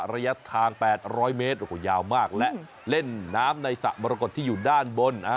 ระยะทาง๘๐๐เมตรโอ้โหยาวมากและเล่นน้ำในสระมรกฏที่อยู่ด้านบน